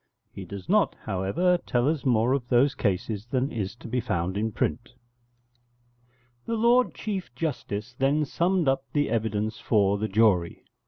He does not, however, tell us more of those cases than is to be found in print.] The Lord Chief Justice then summed up the evidence for the jury.